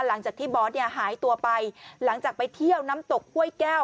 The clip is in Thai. หลังจากที่บอสเนี่ยหายตัวไปหลังจากไปเที่ยวน้ำตกห้วยแก้ว